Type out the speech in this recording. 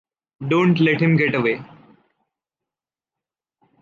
Don’t let him get away!